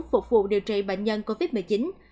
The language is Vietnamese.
phục vụ điều trị bệnh nhân covid một mươi chín